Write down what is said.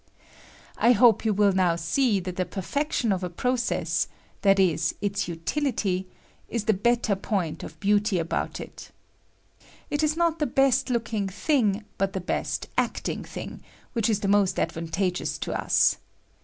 I hope you will now see that the perfec CAUSE OF GUTTEEING. 21 tion of a process — that is, its utility — is the bet ter point of beauty about it. It is BOt the best looking thing, but the beat acting thing, which is the most advantageous to us.